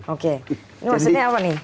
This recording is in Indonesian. oke ini maksudnya apa nih